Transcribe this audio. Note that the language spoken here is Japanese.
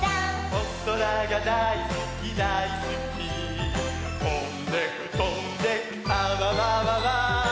「おそらがだいすきだいすき」「とんでくとんでくあわわわわ」